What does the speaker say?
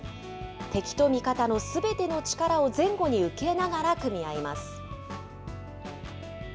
敵と味方のすべての力を前後に受けながら組み合います。